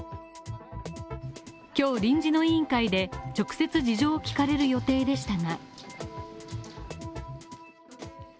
今日臨時の委員会で直接事情を聞かれる予定でしたが。